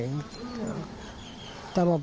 แต่พอดีพร้อมเห็นประมาห์